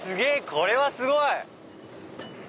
これはすごい！